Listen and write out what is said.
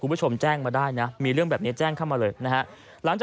คุณผู้ชมแจ้งมาได้นะมีเรื่องแบบนี้แจ้งเข้ามาเลยนะฮะหลังจาก